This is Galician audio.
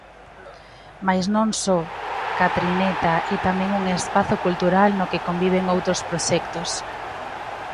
Mais non só, Catrineta é tamén un espazo cultural no que conviven outros proxectos.